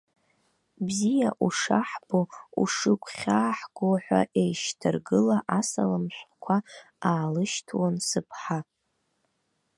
Бзиа ушаҳбо, ушыгәхьааго ҳәа еишьҭаргыла асалам шәҟәқәа аалышьҭуан сыԥҳа.